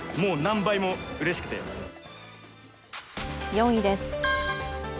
４位です